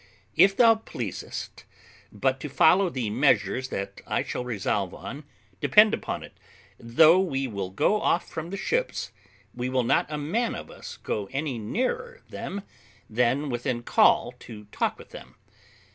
If thou pleasest but to follow the measures that I shall resolve on, depend upon it, though we will go off from the ships, we will not a man of us go any nearer them than within call to talk with them.